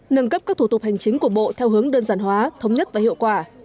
nâng cấp các thủ tục hành chính của bộ theo hướng đơn giản hóa thống nhất và hiệu quả